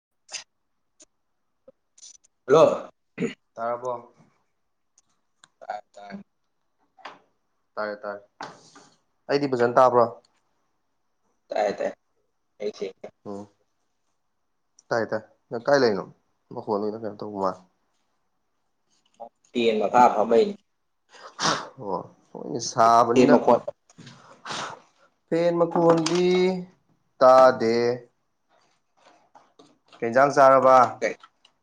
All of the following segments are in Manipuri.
[unintelligible] ꯍꯜꯂꯣ ꯇꯥꯔꯕꯣ ꯇ ꯇꯥꯏ ꯇꯥꯔꯦ ꯇꯥꯔꯦ ꯑꯩꯗꯤ ꯐꯖꯅ ꯇꯥꯕ꯭ꯔꯣ ꯇꯥꯏ ꯇ ꯑꯩ ꯎꯝ ꯇꯥꯏ ꯇꯥꯏ ꯅꯪ ꯀꯥꯏ ꯂꯩꯔꯤꯅꯣ ꯃꯈꯣꯟ ꯑꯣꯏꯅ ꯀꯩꯅꯣ ꯇꯧꯕ ꯃꯥꯂ ꯂꯊꯥꯞ ꯐꯕꯩꯅꯤ ꯑꯣ ꯍꯣꯏꯅꯦ ꯇꯦꯟ ꯁꯥꯕꯅꯤꯅ ꯃꯈꯣꯟ ꯐꯦꯟ ꯃꯈꯣꯟꯗꯤ ꯇꯥꯗꯦ ꯇꯦꯟꯖꯥꯡ ꯆꯥꯔꯕ [unintelligible]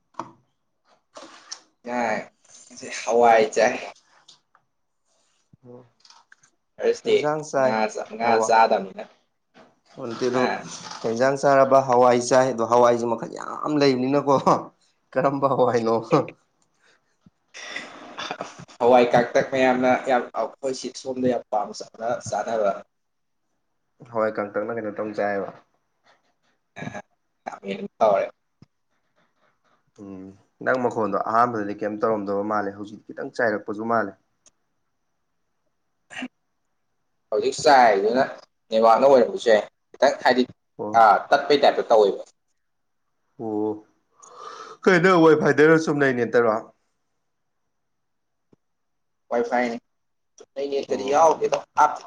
ꯌꯥꯏ ꯍꯋꯥꯏ ꯆꯥꯏ ꯊꯔꯁꯗꯦ ꯃꯖꯥꯡ ꯆꯥꯏ ꯉꯥ ꯉꯥ ꯍꯋꯥ ꯆꯥꯗꯕꯅꯤꯅ ꯍꯥ ꯍꯟꯇꯗꯨ ꯍꯦꯟꯖꯥꯡ ꯆꯥꯔꯕ ꯍꯋꯥꯏ ꯆꯥꯏ ꯑꯗꯣ ꯍꯋꯥꯏꯁꯦ ꯃꯈꯜ ꯌꯥꯝ ꯂꯩꯕꯅꯤꯅꯀꯣ ꯀꯔꯝꯕ ꯍ ꯍꯥꯏꯅꯣ [unintelligible] ꯍꯋꯥꯏ ꯀꯥꯛꯇꯛ ꯃꯌꯥꯝꯅ ꯌꯥꯝ ꯑꯩꯈꯣꯏꯁꯤ ꯁꯣꯝꯗ ꯌꯥꯝ ꯄꯥꯝꯅ ꯆꯥꯅꯕ ꯍꯣꯏ ꯀꯪꯀꯛꯅ ꯀꯩꯅꯣ ꯇꯧ ꯆꯥꯏꯌꯦꯕ ꯦ [unintelligible] ꯎꯝ ꯅꯪ ꯃꯈꯣꯟꯗꯣ ꯑꯍꯥꯟꯕꯗꯗꯤ ꯀꯩꯝ ꯇꯧꯔꯝꯗꯕ ꯃꯥꯜꯂꯦ ꯍꯧꯖꯤꯛꯇꯤ ꯈꯤꯇꯪ ꯆꯥꯏꯔꯛꯄꯁꯨ ꯃꯥꯜꯂꯦ ꯍꯧꯖꯤꯛ ꯆꯥꯏꯗꯨꯅ ꯅꯦꯕꯥꯛꯅ ꯑꯣꯏꯔꯝꯝꯕꯁꯦ ꯈꯤꯇꯪ ꯍꯥꯏꯗꯤ ꯑꯣ ꯑꯥ ꯇꯠꯄꯩ ꯇꯥꯏꯞꯇ ꯇꯧꯋꯏꯕ ꯑꯣ ꯀꯩꯗ ꯋꯦꯐꯥꯏꯗꯔ ꯁꯨꯝ ꯂꯩ ꯅꯠꯇꯔꯣ ꯋꯥꯏ ꯐꯥꯏ ꯅ ꯅ ꯀꯔꯤ ꯑꯣ ꯌꯥꯎ ꯑꯗꯨ ꯍꯥ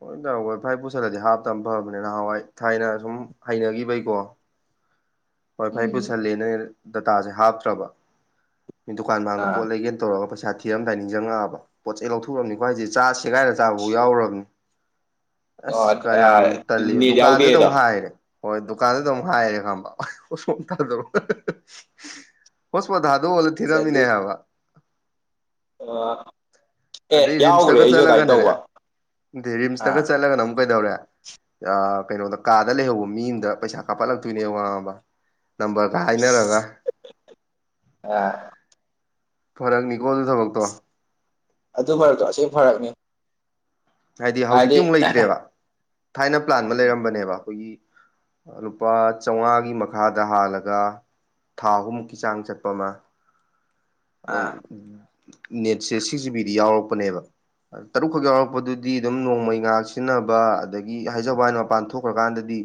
ꯂꯣꯏ ꯇꯧꯔꯒ ꯐꯥꯏ ꯄꯨꯁꯤꯜꯂꯗꯤ ꯍꯥꯞꯇꯕ ꯐꯕꯅꯤꯅ ꯅꯍꯥꯟꯋꯥꯏ ꯊꯥꯏꯅ ꯁꯨꯝ ꯍꯩꯅꯈꯤꯕꯩꯀꯣ ꯋꯥꯏꯐꯥꯏ ꯄꯨꯁꯜꯂꯦꯅ ꯗꯇꯥꯁꯦ ꯍꯥꯞꯇ꯭ꯔꯕ ꯃꯤ ꯗꯨꯀꯥꯟ ꯃꯥꯡꯗ ꯄꯣ ꯑꯥ ꯂꯩꯒꯦ ꯇꯧꯔꯒ ꯄꯩꯁꯥ ꯊꯤ ꯄꯤꯔꯝꯗꯥꯏ ꯅꯤꯡꯁꯤꯡꯉꯛꯑꯕ ꯄꯣꯠ ꯆꯩ ꯂꯧꯊꯣꯛꯎꯔꯕꯅꯤꯀꯣ ꯍꯥꯏꯁꯦ ꯆꯦꯒꯥꯏꯔ ꯆꯥꯐꯥꯎ ꯌꯥꯎꯔꯨꯕꯅꯤ ꯑꯣ ꯑꯁ ꯀꯌꯥꯝ ꯇꯜꯂꯤ ꯅꯦꯠ ꯗꯨꯀꯥꯟꯗꯨꯗ ꯌꯥꯎꯗꯦꯗꯣ ꯑꯃꯨꯛ ꯍꯥꯏꯔꯦ ꯍꯣꯏ ꯗꯨꯀꯥꯟꯗꯨꯗ ꯑꯃꯨꯛ ꯍꯥꯏꯔꯦ ꯈꯪꯉꯥꯕ ꯍꯣꯁꯄꯣꯠ ꯑꯃꯇ ꯊꯥꯗꯣꯛꯔꯛꯑꯣ ꯍꯣꯁꯄꯣꯠ ꯊꯥꯗꯣꯛꯑꯒ ꯊꯤꯔꯝꯃꯤꯅꯦ ꯍꯥꯏꯕ ꯑꯣ [unintelligible] ꯑꯗꯩ ꯔꯤꯝꯁꯇꯒ ꯆꯠꯂꯒꯅꯅꯦ ꯑꯗꯩꯩ ꯔꯤꯝꯁꯇꯒ ꯑꯥ ꯆꯠꯂꯒꯅ ꯑꯃꯨꯛ ꯀꯩꯗꯧꯔꯦ ꯑ ꯀꯥꯗ ꯂꯩꯍꯧꯕ ꯃꯤ ꯑꯃꯗ ꯄꯩꯁꯥ ꯀꯥꯞꯄꯠꯂꯛꯇꯣꯏꯅꯦ ꯈꯪꯉꯥꯕ ꯅꯝꯕꯔꯒ ꯍꯥꯏꯅꯔꯒ ꯑꯥ ꯐꯔꯛꯅꯤꯀꯣ ꯑꯗꯨ ꯊꯕꯛ ꯑꯗꯨ ꯐꯔꯛꯇꯣ ꯑꯁꯤ ꯐꯔꯛꯅꯤ [unintelligible] ꯍꯥꯏꯗꯤ ꯍꯧꯖꯤꯛꯇꯤ ꯑꯃꯨꯛ ꯂꯩꯇ꯭ꯔꯦꯕ ꯊꯥꯏꯅ ꯄ꯭ꯂ ꯑꯃ ꯂꯩꯔꯝꯕꯅꯦꯕ ꯑꯩꯈꯣꯏꯒꯤ ꯂꯨꯄꯥ ꯆꯃꯉꯥꯒꯤ ꯃꯈꯥꯗ ꯍꯥꯜꯂꯒ ꯊꯥ ꯑꯍꯨꯝꯃꯨꯛꯀꯤ ꯆꯥꯡ ꯆꯠꯄ ꯑꯃ [inaudible] ꯑꯗꯨꯝ ꯅꯦꯠꯁꯦ ꯁꯤꯛꯁ ꯖꯤꯕꯤꯗꯤ ꯌꯥꯎꯔꯛꯄꯅꯦꯕ ꯇꯔꯨꯛꯈꯛ ꯌꯥꯎꯔꯛꯄꯗꯨ ꯗꯤ ꯑꯗꯨꯝ ꯅꯣꯡꯃꯩ ꯉꯍꯥꯛ ꯁꯤꯖꯤꯟꯅꯕ ꯑꯗꯒꯤ ꯍꯥꯏꯖꯕꯩ ꯋꯥꯅꯦ ꯃꯄꯥꯟ ꯊꯣꯛꯈ꯭ꯔꯀꯥꯟꯗꯗꯤ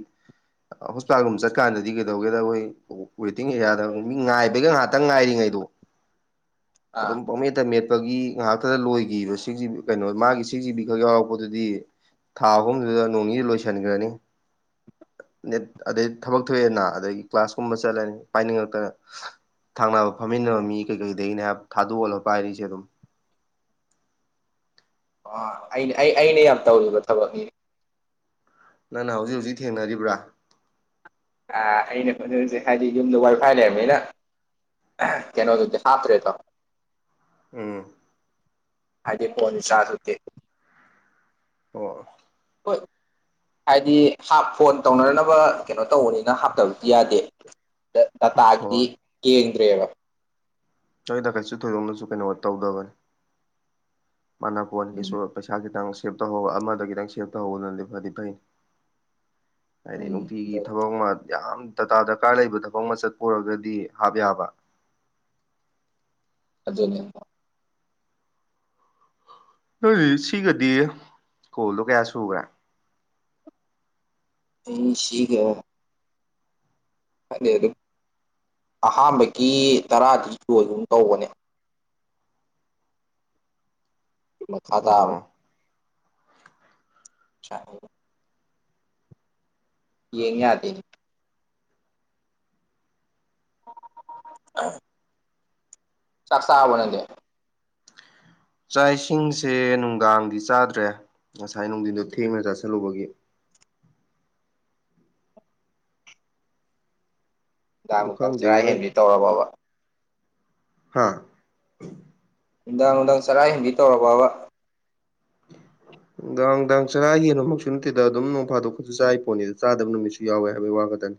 ꯍꯣꯁꯄꯤꯇꯥꯜꯒꯨꯝꯕ ꯆꯠꯀꯥꯟꯗꯗꯤ ꯀꯩꯗꯧꯒꯦꯗ ꯑꯩꯈꯣꯏ ꯋꯦꯇꯤꯡ ꯑꯦꯔꯤꯌꯥꯗ ꯃꯤ ꯉꯥꯏꯕꯒꯤ ꯉꯥꯏꯍꯥꯛꯇꯪ ꯉꯥꯏꯔꯤꯉꯩꯗꯣ [inaudible] ꯑꯗꯨꯝ ꯄꯣꯃꯦꯠꯇ ꯃꯦꯠꯄꯒꯤ ꯉꯥꯏꯍꯥꯛꯇꯗ ꯂꯣꯏꯈꯤꯕ ꯁꯤꯛꯁ ꯖꯤꯕꯤ ꯀꯩꯅꯣ ꯃꯥꯒꯤ ꯁꯤꯛꯁ ꯖꯤꯕꯤ ꯑꯗꯨ ꯌꯥꯎꯕꯗꯨꯗꯤ ꯊꯥ ꯑꯍꯨꯝꯗꯨꯗ ꯅꯣꯡꯅꯤꯅꯤꯗ ꯂꯣꯏꯁꯤꯟꯈ꯭ꯔꯅꯤ ꯅꯦꯠ ꯑꯗꯩ ꯊꯕꯛ ꯊꯣꯛꯑꯦꯅ ꯑꯗꯩꯩꯒꯤ ꯀ꯭ꯂꯥꯁ ꯀꯨꯝꯕ ꯆꯠꯂꯅꯤ ꯄꯥꯏꯅꯤꯡꯉꯛꯇꯅ ꯊꯥꯡꯅꯕ ꯐꯝꯃꯤꯟꯅꯕ ꯃꯤ ꯀꯩꯀꯩꯗꯒꯤꯅꯦ ꯍꯥꯏꯕ ꯊꯥꯗꯣꯛꯍꯜꯂꯒ ꯄꯥꯏꯔꯤꯁꯦ ꯑꯗꯨꯝ ꯑ ꯑꯩꯅ ꯑꯩꯅ ꯌꯥꯝ ꯇꯧꯔꯤꯕ ꯊꯕꯛꯅꯤ ꯅꯪꯅ ꯍꯧꯖꯤꯛ ꯍꯧꯖꯤꯛ ꯊꯦꯡꯅꯔꯤꯕ꯭ꯔꯥ ꯑ ꯑꯩꯅ ꯈꯣꯠꯅꯔꯁꯦ ꯍꯥꯏꯗꯤ ꯌꯨꯝꯗ ꯋꯥꯔꯤ ꯐꯥꯏ ꯂꯩꯔꯝꯅꯤꯅ [unintelligible] ꯀꯩꯅꯣꯗꯨꯗꯤ ꯍꯥꯞꯇ꯭ꯔꯦꯗꯣ ꯎꯝ ꯍꯥꯏꯖꯤꯗꯤ ꯐꯣꯟ ꯆꯔꯁ [unintelligible] ꯑꯣ ꯍꯣꯏ ꯍꯥꯏꯗꯤ ꯍꯥꯞ ꯐꯣꯟ ꯇꯧꯅꯅꯕ ꯀꯩꯅꯣ ꯇꯧꯕꯅꯤꯅ ꯍꯥꯞꯇꯕꯗꯤ ꯌꯥꯗꯦ ꯗꯇꯥꯒꯤꯗꯤ ꯍꯣꯏ ꯌꯦꯡꯗ꯭ꯔꯦꯕ ꯑꯩꯣꯏꯗꯀꯠꯁꯨ ꯊꯣꯏꯗꯣꯛꯅꯁꯨ ꯀꯩꯅꯣ ꯇꯧꯗꯕꯅꯤ [unintelligible] ꯃꯥꯅ ꯐꯣꯟ ꯎꯝ ꯀꯩꯁꯨ ꯄꯩꯁꯥ ꯈꯤꯇꯪ ꯁꯦꯞ ꯇꯧꯍꯧꯕ ꯑꯃꯗ ꯈꯤꯇꯪ ꯁꯦꯞ ꯇꯧꯍꯧꯕꯅꯗꯤ ꯐꯩꯗꯤ ꯐꯩꯅꯤ ꯍꯥꯏꯗꯤ ꯎꯝ ꯅꯨꯡꯇꯤꯒꯤ ꯊꯕꯛ ꯑꯃ ꯌꯥꯝ ꯗꯥꯗꯥ ꯗꯔꯀꯥꯔ ꯂꯩꯕ ꯊꯕꯛ ꯑꯃ ꯆꯠꯄ ꯑꯣꯏꯔꯒꯗꯤ ꯍꯥꯞ ꯌꯥꯕ ꯑꯗꯨꯅꯦ ꯁꯤꯒꯗꯤ ꯀꯣꯜꯗꯨ ꯀꯌꯥ ꯁꯨꯈ꯭ꯔꯦ ꯑꯩ ꯁꯤꯒ ꯑꯍꯥꯟꯕꯒꯤ ꯇꯔꯥꯗꯤ ꯂꯣꯏꯒꯨꯝ ꯇꯧꯕꯅꯦ ꯃꯈꯥ ꯇꯥ [unintelligible] ꯑꯣ [inaudible] ꯌꯦꯡꯌꯥꯗꯦ ꯎꯝ [unintelligible] ꯆꯥꯛ ꯆꯥꯔꯕ ꯅꯪꯗꯤ ꯆꯥꯛ ꯏꯁꯤꯡꯁꯦ ꯅꯨꯡꯗꯥꯡꯗꯤ ꯆꯥꯗ꯭ꯔꯦ ꯉꯁꯥꯏ ꯅꯨꯡꯊꯤꯟꯗꯣ ꯊꯦꯡꯅ ꯆꯥꯥꯁꯜꯂꯨꯕꯒꯤ ꯅꯨꯡꯗꯥꯡ ꯅꯨꯡꯗꯥꯡ ꯆꯔꯥ ꯍꯦꯟꯕꯤꯗꯣ ꯇꯧꯔꯕꯕ ꯍꯥꯥ ꯅꯨꯡꯗꯥꯡ ꯅꯨꯡꯗꯥꯡ ꯆꯔꯥ ꯍꯦꯟꯕꯤ ꯇꯧꯔꯕꯕ [inaudible] ꯅꯨꯡꯗꯥꯡ ꯅꯨꯡꯗꯥꯡ ꯆꯔꯥ ꯌꯦꯅꯨꯃꯛꯁꯨ ꯅꯠꯇꯦꯗ ꯑꯗꯨꯝ ꯅꯣꯡ ꯐꯥꯗꯣꯛꯄꯁꯨ ꯆꯥꯔꯤ ꯄꯣꯠꯅꯤ ꯆꯥꯗꯕ ꯅꯨꯃꯤꯠꯁꯨ ꯌꯥꯎꯋꯦ ꯍꯥꯏꯕꯩ ꯋꯥꯈꯇꯅꯤ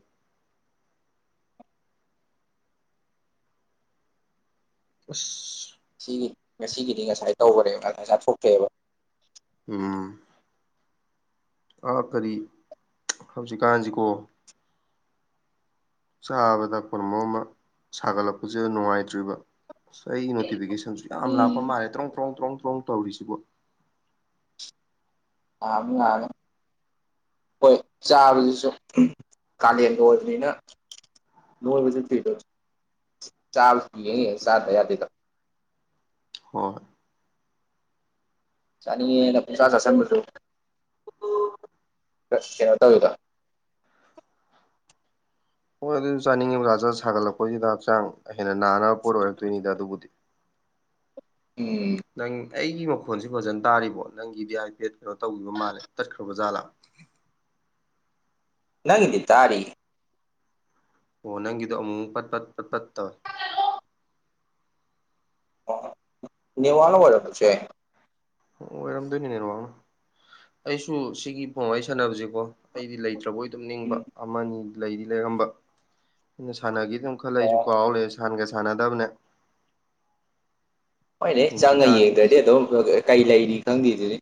ꯑꯁ ꯁꯤꯒꯤ ꯉꯁꯤꯒꯤꯗꯤ ꯉꯁꯥꯏ ꯇꯧꯒꯔꯦꯕ ꯉꯁꯥꯏ ꯆꯥꯊꯣꯛꯇꯦꯕ ꯎꯝ ꯑꯥ ꯀꯔꯤ ꯍꯧꯖꯤꯛꯀꯥꯟꯁꯤꯀꯣ ꯆꯥꯕꯗ ꯄꯨꯝꯃꯛ ꯑꯃ ꯁꯥꯒꯠꯂꯛꯄꯁꯤꯗ ꯅꯨꯡꯉꯥꯏꯇ꯭ꯔꯤꯕ ꯑꯩ ꯑꯩ ꯅꯣꯇꯤꯐꯤꯀꯦꯁꯟꯁꯨ ꯌꯥꯝ ꯂꯥꯛꯄ ꯉꯥꯟꯕ ꯃꯥꯜꯂꯦ ꯇ꯭ꯔꯣꯡ ꯇ꯭ꯔꯣꯡ ꯇ꯭ꯔꯣꯡ ꯇ꯭ꯔꯣꯡ ꯇꯧꯔꯤꯁꯤꯕꯨ [unintelligible] ꯍꯣꯏ ꯆꯥꯕꯗꯨꯁꯨ ꯀꯥꯂꯦꯟ ꯑꯣꯏꯕꯅꯤꯅ ꯅꯣꯡꯖꯤ [unintelligible] ꯆꯥꯕꯗ ꯌꯦꯡ ꯌꯦꯡ ꯆꯥꯗ ꯌꯥꯗꯦꯕ ꯍꯣꯏ ꯆꯅꯤꯡꯉꯦꯅ ꯄꯪꯆꯥ ꯆꯥꯁꯤꯟꯕꯁꯨ [unintelligible] ꯍꯣꯏ ꯑꯗꯨ ꯆꯥꯅꯤꯡꯉꯤꯕꯖꯥꯖꯥ ꯁꯥꯒꯠꯂꯛꯄꯁꯤꯗ ꯍꯛꯆꯥꯡ ꯍꯦꯟꯅ ꯅꯥꯅꯕ ꯄꯣꯠ ꯑꯣꯏꯔꯛꯇꯣꯏꯅꯤꯗ ꯑꯗꯨꯕꯨꯗꯤ ꯎꯝ ꯅꯪ ꯑꯩꯒꯤ ꯃꯈꯣꯟꯁꯤ ꯐꯖꯅ ꯇꯥꯔꯤꯕꯣ ꯅꯪꯒꯤ ꯗꯤ ꯄꯦꯠ ꯀꯩꯅꯣ ꯇꯧꯈꯤꯕ ꯃꯥꯜꯂꯦ ꯇꯠꯈꯔꯕ ꯖꯥꯠꯂꯥ ꯅꯪꯒꯤꯗꯤ ꯇꯥꯔꯤ ꯑꯣ ꯅꯪꯒꯤꯗꯣ ꯑꯃꯨꯛ ꯄꯠ ꯄꯠ ꯄꯠ ꯄꯠ ꯇꯧꯋꯦ ꯑ ꯅꯦꯠꯋꯥꯛꯅ ꯑꯣꯏꯔꯝꯕꯁꯨ ꯌꯥꯏ ꯑꯣ ꯑꯣꯏꯔꯝꯗꯣꯏꯅꯤ ꯅꯦꯠꯋꯥꯛꯅ ꯑꯩꯁꯨ ꯁꯤꯒꯤ ꯐꯣꯟ ꯋꯥꯔꯤ ꯁꯥꯟꯅꯕꯁꯦꯀꯣ ꯑꯩꯗꯤ ꯂꯩꯇ꯭ꯔꯕꯣꯏ ꯇꯨꯝꯅꯤꯡꯕ ꯎꯝ ꯑꯃꯅꯤꯅꯤ ꯂꯩꯗꯤ ꯂꯩꯔꯝꯕ ꯑꯩꯅ ꯁꯥꯟꯅꯗꯤ ꯑꯗꯨꯝ ꯈꯜꯂ ꯑꯩꯁꯨ ꯑꯣ ꯀꯥꯎꯂꯩꯔꯦ ꯁꯥꯟꯒ ꯁꯥꯟꯅꯗꯕꯅꯦ ꯍꯣꯏꯅꯦ ꯆꯪꯉ ꯍꯧꯖꯤꯛꯀꯥꯟꯁꯦ ꯌꯦꯡꯗ꯭ꯔꯗꯤ ꯑꯗꯨꯝ ꯀꯩ ꯂꯩꯔꯤ ꯈꯪꯗꯦꯗꯨꯅꯤ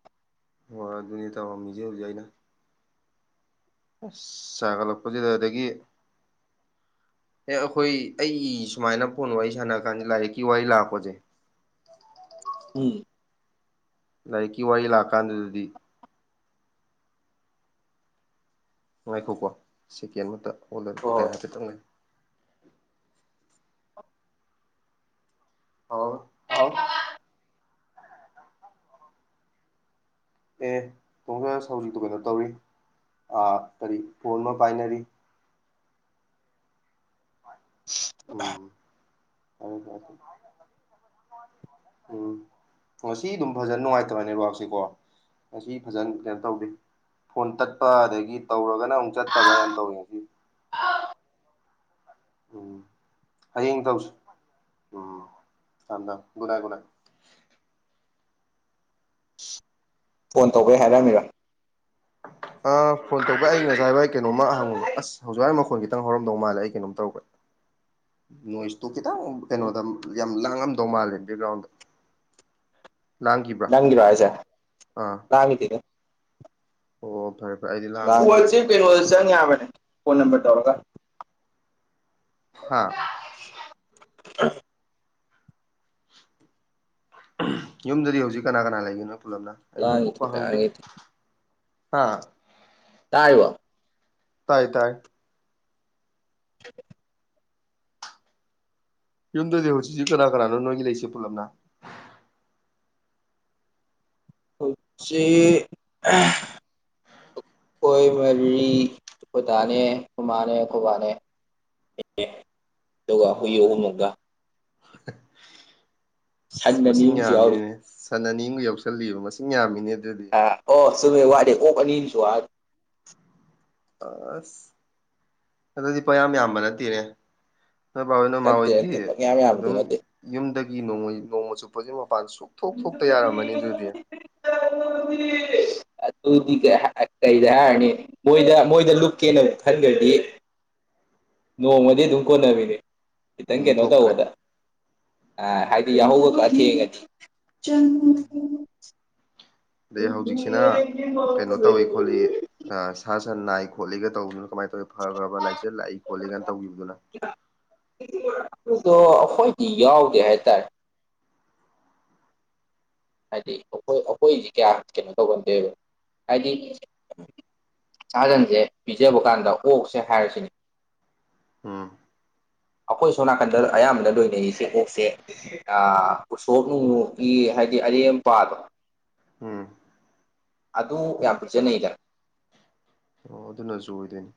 ꯍꯣ ꯑꯗꯨꯅꯤ ꯇꯧꯔꯝꯃꯤꯖꯦ ꯍꯧꯖꯤꯛ ꯑꯩꯅ ꯑꯁ ꯁꯥꯒꯠꯂꯛꯄꯁꯤꯗ ꯑꯗꯒꯤ ꯑꯦ ꯑꯩꯈꯣꯏ ꯑꯩ ꯁꯨꯃꯥꯏꯅ ꯐꯣꯟ ꯋꯥꯔꯤ ꯁꯥꯟꯅꯔꯀꯥꯟꯗ ꯂꯥꯏꯔꯤꯛꯀꯤ ꯋꯥꯔꯤ ꯂꯥꯛꯄꯁꯦ ꯎꯝ ꯂꯥꯏꯀꯤ ꯋꯥꯔꯤ ꯂꯥꯛꯀꯥꯟꯗ ꯗꯗꯤ ꯉꯥꯏꯈꯣꯀꯣ ꯁꯦꯀꯦꯟ ꯑꯃꯇ ꯍꯣꯜꯗ ꯍꯣꯏ ꯍꯣꯏ ꯍꯥꯏꯐꯦꯠꯇꯪ ꯂꯩ ꯑꯥꯎ ꯑꯥꯎ ꯑꯦ ꯋꯥꯉꯥꯡꯁꯧꯔꯤꯗꯨꯒ ꯀꯩꯅꯣ ꯇꯧꯔꯤ ꯑꯥ ꯀꯩꯔꯤ ꯐꯣꯟ ꯑꯃ ꯄꯥꯏꯅꯔꯤ [unintelligible] ꯎꯝ [unintelligible] ꯎꯝ ꯉꯁꯤ ꯑꯗꯨꯝ ꯐꯖꯅ ꯅꯨꯡꯉꯥꯏꯇꯕꯅꯦ ꯅꯦꯋꯥꯛꯁꯦ ꯀꯣ ꯑꯁꯤ ꯐꯖꯅ ꯀꯩꯅꯣ ꯇꯧꯗꯦ ꯐꯣꯟ ꯇꯠꯄ ꯑꯗꯒꯤ ꯇꯧꯔꯒꯅ ꯑꯃꯨꯛ ꯆꯠꯇꯕ ꯌꯥꯝ ꯇꯧꯋ ꯉꯥꯁꯤ ꯎꯝ ꯍꯌꯦꯡ ꯇꯧꯁꯤ ꯎꯝ ꯊꯝ ꯊꯝ ꯒꯨꯅꯥꯥꯏ ꯒꯨꯅꯥꯥꯏ ꯐꯣꯟ ꯇꯧꯕꯩ ꯍꯥꯏꯔꯝꯃꯤꯔꯣ ꯑ ꯐꯣꯟ ꯇꯧꯕꯩ ꯑꯩ ꯉꯁꯥꯏꯋꯥꯏ ꯀꯩꯅꯣꯝꯃ ꯍꯪꯉꯨꯕ ꯑꯁ ꯍꯧꯖꯤꯛꯋꯥꯒꯤ ꯃꯈꯣꯟ ꯈꯤꯇꯪ ꯍꯧꯔꯝꯗꯧ ꯃꯥꯜꯂ ꯑꯩ ꯀꯩꯅꯣꯝ ꯇꯧꯒꯔꯦ ꯅꯣꯏꯁꯇꯨ ꯈꯤꯇꯪ ꯀꯩꯅꯣꯗ ꯌꯥꯝ ꯂꯥꯡꯉꯝꯗꯧ ꯃꯥꯜꯂꯦ ꯕꯦꯛꯒ꯭ꯔꯥꯎꯟꯗ ꯂꯥꯡꯈꯤꯕ꯭ꯔꯥ ꯅꯪꯒꯤꯔꯣ ꯍꯥꯏꯖꯦ ꯑꯥ ꯇꯥꯒꯤꯗꯦꯍꯦ ꯑꯣ ꯐꯔꯦ ꯐꯔꯦ ꯑꯩꯗꯤ ꯑꯥ ꯂꯥꯡꯈ꯭ꯔꯕꯅ ꯋꯥꯠꯆꯞ ꯀꯩꯅꯣ ꯀꯩꯅꯣꯗ ꯆꯪ ꯈꯜꯂꯨꯔꯦ ꯌꯥꯕꯅꯦ ꯐꯣꯟ ꯅꯝꯕꯔ ꯇꯧꯔꯒ ꯍꯥꯥ ꯌꯨꯝꯗꯗꯤ ꯍꯧꯖꯤꯛ ꯀꯅꯥ ꯀꯅꯥ ꯂꯩꯅꯣ ꯅꯣꯏ ꯄꯨꯟꯂꯞꯅ ꯅꯩꯅꯣꯡ ꯂꯥꯡꯉꯤꯗꯤ ꯄꯣꯛꯄ ꯍꯪꯗꯦ ꯂꯥꯡꯉꯤꯗꯤ ꯍꯥ ꯇꯥꯥꯏꯔꯤꯕꯣ ꯇꯥꯏ ꯇꯥꯏ [unintelligible] ꯌꯨꯝꯗꯗꯤ ꯍꯧꯖꯤꯛꯁꯁꯤ ꯀꯅꯥ ꯀꯅꯥꯅꯣ ꯅꯣꯏꯒꯤ ꯂꯩꯁꯦ ꯄꯨꯜꯂꯞꯅ ꯈꯣꯏ ꯆꯦ ꯑꯀꯣꯏ ꯃꯔꯤ ꯈꯨꯣꯏꯗꯥꯅꯦ ꯑꯈꯣꯏꯃꯥꯅꯦ ꯑꯈꯣꯏꯕꯥꯅꯦ ꯑꯦ ꯑꯗꯨꯒ ꯍꯨꯏ ꯎꯝ ꯑꯍꯨꯝ‌‌ꯑꯃꯒ ꯁꯟ ꯑ ꯑꯅꯤ ꯃꯁꯤꯡ ꯑꯃꯁꯨ ꯌꯥꯎꯔꯤ ꯌꯥꯝꯃꯤꯅꯤꯅꯦ ꯁꯟ ꯑꯅꯤꯑꯃꯒ ꯌꯥꯧꯁꯜꯂꯤ ꯃꯁꯤꯡ ꯌꯥꯝꯃꯤꯅꯦ ꯑꯗꯨꯗꯤ ꯑ ꯑꯣ ꯆꯨꯝꯃꯦ ꯋꯥꯗꯤ ꯑꯣꯛ ꯑꯅꯤ ꯑꯃꯖꯨ ꯋꯥꯠꯂꯤ ꯑꯁ ꯑꯗꯨꯗꯤ ꯄꯌꯥꯝ ꯌꯥꯝꯕ ꯅꯠꯇꯦꯅꯦ ꯅꯣꯏ ꯕꯥ ꯍꯣꯏ ꯅꯣꯏ ꯃꯥ ꯅꯠꯇꯦ ꯍꯣꯏꯗꯤ ꯅꯠꯇꯦ ꯄꯪꯌꯥꯝ ꯌꯥꯝꯕꯗꯤ ꯑꯗꯨꯝ ꯅꯠꯇꯦ ꯌꯨꯝꯗꯒꯤ ꯅꯣꯡꯃꯩ ꯅꯣꯡꯃ ꯆꯨꯞꯄꯖꯤ ꯃꯄꯥꯟ ꯁꯨꯞꯊꯣꯛ ꯊꯣꯛꯇ ꯌꯥꯔꯝꯃꯅꯤ ꯑꯗꯨꯗꯤ [unintelligible] ꯑꯗꯨꯗꯤ ꯀꯩꯗ ꯍꯥꯏꯔꯅꯤ ꯃꯣꯏꯗ ꯃꯣꯏꯗ ꯂꯨꯞꯀꯦꯅ ꯈꯟꯈ꯭ꯔꯗꯤ ꯅꯣꯡꯃꯗꯤ ꯑꯗꯨꯝ ꯀꯣꯟꯅꯕꯤꯅꯦ ꯈꯤꯇꯪ ꯑꯗꯨꯝ ꯀꯩꯅꯣ ꯊꯣꯛꯇ꯭ꯔꯦ ꯇꯧꯕꯗ ꯑ ꯍꯥꯏꯗꯤ ꯌꯥꯍꯧꯕꯒ ꯈꯔ ꯊꯦꯡꯉꯗꯤ ꯑꯗꯩ ꯍꯧꯖꯤꯛꯁꯤꯅ ꯀꯩꯅꯣ ꯇꯧꯏ ꯈꯣꯠꯂꯤ ꯁꯥ ꯁꯟ ꯅꯥꯏ ꯈꯣꯠꯂꯤꯒ ꯇꯧꯕꯗꯨꯅ ꯀꯃꯥꯏꯅ ꯇꯧꯋꯤ ꯐ ꯐꯕ ꯂꯥꯏꯆꯠ ꯂꯥꯛꯏ ꯈꯣꯠꯂꯤꯒꯅ ꯇꯧꯈꯤꯕꯗꯨꯅ ꯑꯗꯨꯣ ꯑꯩꯈꯣꯏꯗꯤ ꯌꯥꯎꯗꯦ ꯍꯥꯏꯇꯥꯔꯦ ꯍꯥꯏꯗꯤ ꯑꯩꯈꯣꯏ ꯑꯩꯈꯣꯏꯁꯤ ꯀꯌꯥ ꯀꯩꯅꯣ ꯇꯧꯒꯟꯗꯣꯏꯕ ꯍꯥꯏꯗꯤ ꯁꯥ ꯁꯟꯁꯦ ꯄꯤꯖꯕ ꯀꯥꯟꯗ ꯑꯣꯛꯁꯦ ꯍꯥꯏꯔꯁꯤꯅꯦ ꯎꯝ ꯑꯩꯈꯣꯏ ꯁꯣꯝ ꯅꯥꯀꯟꯗ ꯑꯌꯥꯝꯕꯅ ꯂꯣꯏꯅꯔꯤꯁꯦ ꯑꯣꯛꯁꯦ ꯎꯁꯣꯞ ꯅꯨꯡꯅꯨꯒꯤ ꯍꯥꯏꯗꯤ ꯑꯔꯦꯝꯄꯥꯗꯣ ꯎꯝ ꯑꯗꯨ ꯌꯥꯝ ꯄꯤꯖꯅꯩꯗ ꯑꯣ ꯑꯗꯨꯅꯁꯨ ꯑꯣꯏꯗꯣꯏꯅꯤ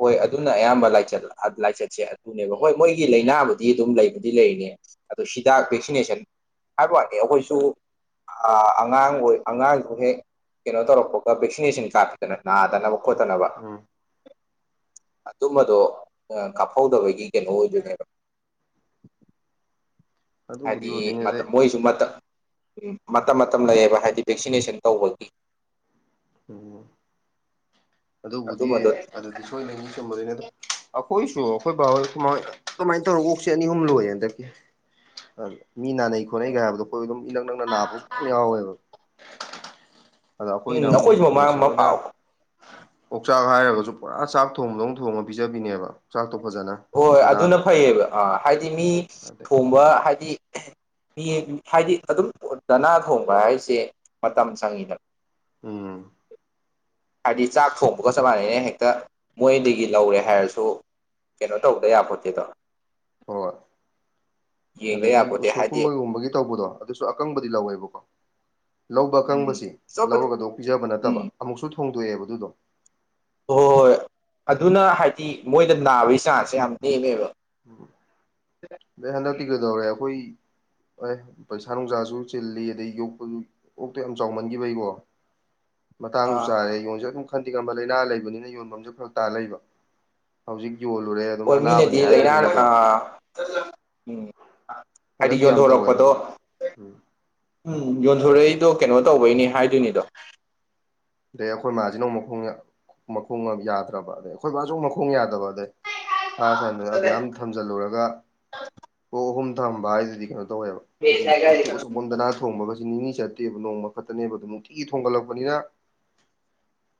ꯍꯣꯏ ꯑꯗꯨꯅ ꯑꯌꯥꯝꯕ ꯂꯥꯏꯆꯠ ꯂꯥꯏꯆꯠꯁꯦ ꯑꯗꯨꯅꯦꯕ ꯍꯣꯏ ꯃꯣꯏꯒꯤ ꯂꯥꯏꯅꯥꯕꯨꯗꯤ ꯑꯗꯨꯝ ꯂꯩꯕꯗꯤ ꯂꯩꯔꯤꯅꯦ ꯑꯗꯨ ꯍꯤꯗꯥꯛ ꯚꯦꯛꯁꯤꯅꯦꯁꯟ ꯍꯥꯏꯕ ꯋꯥꯠꯅꯤ ꯑꯩꯈꯣꯏꯁꯨ ꯑ ꯑꯉꯥꯡ ꯑꯣꯏꯣꯏ ꯑꯉꯥꯡꯁꯨꯍꯦ ꯀꯩꯅꯣ ꯇꯧꯔꯛꯄꯒ ꯚꯦꯛꯁꯤꯅꯦꯁꯟ ꯀꯥꯞꯄꯤꯗꯅ ꯅꯥꯗꯅꯕ ꯎꯝ ꯈꯣꯠꯇꯅꯕ ꯎꯝ ꯑꯗꯨꯝꯕꯗꯣ ꯀꯥꯞꯍꯧꯗꯕꯒꯤ ꯀꯩꯅꯣ ꯑꯣꯏꯗꯣꯏꯅꯦꯕ ꯑꯗꯨꯕꯨꯗꯤ ꯍꯥꯏꯗꯤ ꯑꯣꯏꯗꯣꯏꯅꯦ ꯃꯇꯝ ꯑꯗꯩ ꯃꯣꯏꯁꯨ ꯃꯇꯝ ꯃꯇꯝ ꯂꯩꯌꯦꯕ ꯍꯥꯏꯗꯤ ꯚꯦꯛꯁꯤꯅꯦꯁꯟ ꯇꯧꯕꯒꯤ ꯎꯝ ꯑꯗꯨꯕꯨꯗꯤ ꯑꯗꯨꯝꯕꯗꯣ ꯑꯗꯨꯗꯤ ꯁꯣꯏꯅ ꯃꯤ ꯆꯃꯗꯣꯏꯅꯤ ꯑꯗꯣ ꯍꯣꯏꯁꯨ ꯑꯩꯈꯣꯏ ꯕꯥ ꯀꯃꯥꯏꯅ ꯇꯧꯔ ꯑꯣꯛꯁꯦ ꯑꯅꯤ ꯑꯍꯨꯝ ꯂꯣꯏꯌꯦꯦ ꯍꯟꯗꯛꯀꯤ ꯃꯤ ꯅꯥꯅꯩ ꯈꯣꯠꯅꯩꯒ ꯍꯥꯏꯕꯗꯣ ꯑꯩꯈꯣꯏ ꯑꯗꯨꯝ ꯏꯂꯛ ꯅꯛꯅ ꯅꯥꯕꯁꯨ ꯌꯥꯝꯌꯥꯝ ꯌꯥꯎꯋꯦꯕ ꯑꯗ ꯎꯝ ꯑꯩꯈꯣꯏꯅ ꯑꯃꯨꯛ ꯑꯩꯈꯣꯏꯁꯨ ꯃꯃꯥꯡ ꯀꯩꯅꯣꯁꯦ ꯂꯣꯏꯅ ꯃꯄꯥꯎ ꯑꯣꯛꯆꯥꯛ ꯍꯥꯏꯔꯒꯁꯨ ꯄꯨꯔꯥ ꯆꯥꯛ ꯊꯣꯡꯕꯗꯧ ꯊꯣꯡꯉ ꯄꯤꯖꯕꯤꯅꯦꯕ ꯆꯆꯥꯛꯇꯣ ꯐꯖꯅ ꯍꯣꯏ ꯍꯣꯏ ꯑꯗꯨꯅ ꯗꯅꯥꯗꯣ ꯐꯩꯌꯦꯕ ꯑꯥ ꯍꯥꯏꯗꯤ ꯃꯤ ꯑꯗꯒꯤ ꯊꯣꯡꯕ ꯍꯥꯏꯗꯤ ꯃꯤ ꯍꯥꯏꯗꯤ ꯑꯗꯨꯝ ꯗꯅꯥ ꯊꯣꯡꯕ ꯍꯥꯏꯁꯦ ꯃꯇꯝ ꯆꯪꯏꯤꯗ ꯎꯝ ꯍꯥꯏꯕꯗꯤ ꯆꯥꯛ ꯊꯣꯡꯕꯒ ꯆꯞ ꯃꯥꯟꯅꯩꯅ ꯍꯦꯛꯇ ꯃꯣꯏꯗꯒꯤ ꯂꯧꯔꯦ ꯍꯥꯏꯔꯁꯨ ꯀꯩꯅꯣ ꯇꯧꯕꯗ ꯌꯥꯄꯣꯠꯇꯦꯗꯣ ꯍꯣꯏ ꯍꯣꯏ ꯌꯦꯡꯗ ꯑꯗꯒꯤ ꯌꯥꯄꯣꯠꯇꯦ ꯍꯥꯏꯗꯤ ꯎꯁꯣꯀꯨꯝꯕꯒꯨꯝꯕꯒꯤ ꯇꯧꯕꯗꯣ ꯑꯗꯨꯁꯨ ꯑꯀꯪꯕꯗꯤ ꯂꯧꯋꯦꯕꯀꯣ ꯂꯧꯕ ꯎꯝ ꯑꯀꯪꯕꯁꯤ ꯑꯇꯣꯞꯄ ꯂꯧꯔꯒꯗꯣ ꯄꯤꯖꯕ ꯎꯝ ꯅꯠꯇꯕ ꯑꯃꯨꯛꯁꯨ ꯊꯣꯡꯗꯣꯛꯑꯦꯕ ꯑꯗꯨꯗꯣ ꯍ ꯍꯣꯏ ꯍꯣꯏ ꯑꯗꯨꯅ ꯍꯥꯏꯗꯤ ꯃꯣꯏꯗ ꯅꯥꯕꯒꯤ ꯆꯥꯟꯁꯁꯦ ꯌꯥꯝ ꯅꯦꯝꯃꯦꯕ ꯎꯝ ꯍꯟꯗ ꯇꯤꯒꯗꯧꯔꯦ ꯑꯩꯈꯣꯏ ꯑꯦ ꯄꯩꯁꯥ ꯅꯨꯡꯁꯥꯁꯨ ꯆꯤꯜꯂꯤ ꯑꯗꯩ ꯌꯣꯛꯄꯗꯨ ꯑꯣꯛꯇ ꯌꯥꯝ ꯆꯥꯎꯃꯟꯈꯤꯕꯩꯀꯣ ꯎꯝ ꯃꯇꯥꯡꯁꯨ ꯆꯥꯔꯦ ꯌꯣꯟꯁꯦ ꯑꯗꯨꯝ ꯈꯟꯗꯤ ꯉꯝꯕ ꯂꯥꯏꯅꯥ ꯂꯩꯕꯅꯤꯅ ꯌꯣꯟꯐꯝꯁꯨꯦ ꯈꯔ ꯇꯥ ꯂꯩꯕ ꯍꯧꯖꯤꯛ ꯌꯣꯜꯂꯨꯔꯦ ꯑꯗꯨꯝ ꯍꯣꯏ ꯑꯅꯥꯕꯅꯦ ꯃꯤꯅꯗꯤ ꯍꯥꯏꯈꯤꯕ ꯂꯥꯏꯅꯥ ꯑ ꯎꯝ ꯍꯥꯏꯗꯤ ꯍꯟꯗꯛꯀꯤ ꯌꯥꯝ ꯇꯧꯋꯦꯕ ꯌꯣꯟꯊꯣꯔꯛꯄꯗꯣ ꯑꯗꯨꯗꯣ ꯎꯝ ꯎꯝ ꯌꯣꯟꯊꯣꯔꯛꯏꯗꯣ ꯀꯩꯅꯣ ꯇꯧꯕꯩꯅꯦ ꯍꯥꯏꯗꯣꯏꯅꯤꯗꯣ ꯑꯗꯩ ꯑꯩꯈꯣꯏ ꯃꯥꯁꯤꯅꯃꯨꯛ ꯃꯈꯣꯡ ꯃꯈꯣꯡ ꯌꯥꯗ꯭ꯔꯕ ꯑꯗꯩ ꯑꯩꯈꯣꯏ ꯕꯥꯁꯨꯃꯨꯛ ꯃꯈꯣꯡ ꯌꯥꯗꯕ ꯃꯊꯥꯁꯥꯏ ꯑꯗꯨꯛꯌꯥꯝ ꯊꯝꯖꯤꯜꯂꯨꯔꯒ ꯑꯣꯛ ꯑꯍꯨꯝ ꯊꯝꯕ ꯍꯥꯏꯁꯤꯗꯤ ꯀꯩꯅꯣ ꯇꯧꯋꯦꯕ ꯑꯩꯈꯣꯏꯒꯤ ꯀꯣꯔꯇꯣꯛ ꯑꯆꯧꯕꯑꯝꯗ ꯅꯥꯟꯅ ꯊꯣꯡꯕꯒꯁꯤ ꯅꯤꯅꯤ ꯆꯠꯇꯦꯕ ꯅꯣꯡꯃ ꯈꯛꯇꯅꯦꯕ ꯑꯗꯨꯣ ꯅꯨꯡꯇꯤꯒꯤ ꯊꯣꯡꯒꯠꯂꯛꯄꯅꯤꯅ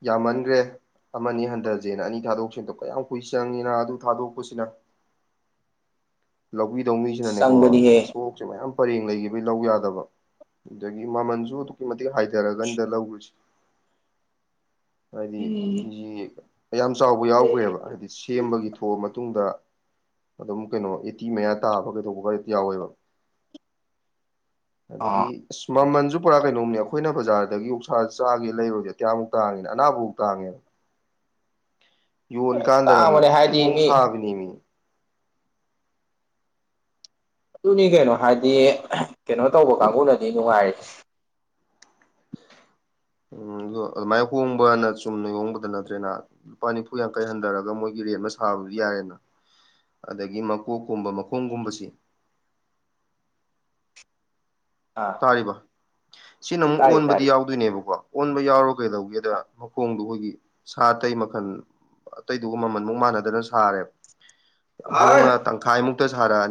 ꯌꯥꯝꯃꯟꯈ꯭ꯔꯦ ꯑꯃ ꯍꯟꯊꯁꯦꯅ ꯑꯅꯤ ꯊꯥꯗꯣꯛꯈꯤꯕꯗꯣ ꯀꯌꯥꯝ ꯀꯨꯏ ꯆꯪꯉꯤꯅ ꯑꯗꯨ ꯊꯥꯗꯣꯛꯄꯁꯤꯅ [inaudible] ꯂꯧꯕꯤꯗꯧꯃꯤꯁꯤꯅꯅꯦꯀꯣ ꯑꯁ ꯆꯪꯕꯅꯤꯍꯦ ꯑꯣꯛ ꯍꯧꯖꯤꯛ ꯃꯌꯥꯝ ꯄꯔꯦꯡ ꯂꯩꯈꯤꯕꯒꯤ ꯂꯧ ꯌꯥꯗꯕ ꯑꯗꯒꯤ ꯃꯃꯜꯁꯨ ꯑꯗꯨꯛꯀꯤ ꯃꯇꯤꯛ ꯍꯥꯏꯊꯔꯒꯅꯤꯗ ꯂꯧꯔꯤꯁꯦ ꯍꯥꯏꯗꯤ ꯀꯦꯖꯤ ꯌꯥꯝ ꯆꯥꯎꯕ ꯌꯥꯎꯈ꯭ꯔꯦꯕ ꯍꯥꯏꯗꯤ ꯁꯦꯝꯕꯒꯤ ꯊꯣꯛꯑ ꯃꯇꯨꯡꯗ ꯑꯗꯨꯝ ꯀꯩꯅꯣ ꯑꯦꯇꯤ ꯃꯌꯥ ꯇꯥꯕ ꯀꯩꯗꯧꯕꯒ ꯌꯥꯎꯋꯦꯕ ꯑ ꯑꯗꯒꯤ ꯑꯁ ꯃꯃꯜꯁꯨ ꯄꯨꯔꯥ ꯀꯩꯅꯣꯝꯅꯦ ꯑꯩꯈꯣꯏꯅ ꯕꯖꯥꯔꯗꯒꯤ ꯑꯣꯛꯁꯥꯁꯦ ꯆꯥꯒꯦ ꯂꯩꯔꯨꯒꯦꯗꯤ ꯌꯥꯝ ꯇꯥꯠꯉꯤꯅ ꯑꯅꯥꯕꯃꯨꯛ ꯇꯥꯡꯉꯦꯕ ꯌꯣꯟꯀꯥꯟꯗꯅ ꯑꯃꯨꯛ ꯇꯥꯡꯕꯅꯦ ꯍꯥꯏꯗꯤ ꯊꯤꯍꯣꯡ ꯃꯤ ꯁꯥꯕꯤꯅꯦꯃꯤ ꯑꯗꯨꯅꯤ ꯀꯩꯅꯣ ꯍꯥꯏꯗꯤ ꯀꯩꯅꯣ ꯇꯧꯕ ꯀꯥꯡꯕꯨꯅꯗꯤ ꯅꯨꯡꯉꯥꯏꯔꯤꯅꯦ ꯎꯝ ꯑꯗ ꯑꯗꯨꯃꯥꯏꯅ ꯍꯣꯡꯕꯅ ꯆꯨꯝꯅ ꯍꯣꯡꯕꯗ ꯅꯠꯇ꯭ꯔꯦꯅ ꯂꯨꯄꯥ ꯅꯤꯐꯨ ꯌꯥꯡꯈꯩ ꯍꯟꯊꯔꯒ ꯃꯣꯏꯒꯤ ꯔꯦꯠ ꯑꯃ ꯁꯥꯕꯗꯨ ꯌꯥꯔꯦꯅ ꯑꯗꯒꯤ ꯃꯀꯣꯛꯀꯨꯝꯕ ꯃꯈꯣꯡꯒꯨꯝꯕꯁꯤ ꯑꯥ ꯀꯩꯏꯕ ꯁꯤꯅꯃꯨꯛ ꯇꯥꯔꯤ ꯇꯥꯔꯤ ꯑꯣꯟꯕꯗꯤ ꯌꯥꯎ ꯑꯗꯨꯏꯅꯦꯕꯀꯣ ꯑꯣꯟꯕ ꯌꯥꯎꯔ ꯀꯩꯗꯧꯒꯦꯗ ꯃꯈꯣꯡꯗꯣ ꯑꯩꯈꯣꯏꯒꯤ ꯁꯥ ꯑꯇꯩ ꯃꯈꯜ ꯑꯇꯩꯗꯨꯒ ꯃꯃꯟꯃꯨꯛ ꯃꯥꯟꯅꯗꯅ ꯁꯥꯔꯦꯕ ꯌꯥꯝ ꯑꯥ ꯍꯣꯡꯅ ꯇꯪꯈꯥꯏꯃꯨꯛꯇ ꯁꯥꯔꯛꯑꯅꯤ